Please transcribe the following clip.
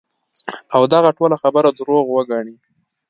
او دغه ټوله خبره دروغ وګڼی -